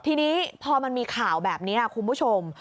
ทีนี้พอมันมีข่าวแบบนี้คุณผู้ชม